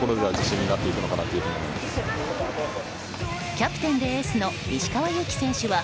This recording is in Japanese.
キャプテンでエースの石川祐希選手は